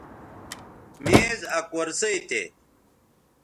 میز آ کرسئ تھے